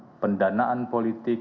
antara pendanaan politik